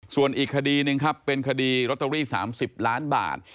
ส่วนอีกคดีหนึ่งครับเป็นคดีลอตเตอรี่๓๐ล้านบาท